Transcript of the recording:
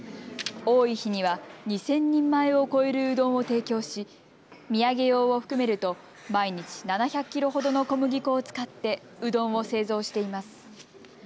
多い日には、２０００人前を超えるうどんを提供し、土産用を含めると毎日７００キロほどの小麦粉を使ってうどんを製造しています。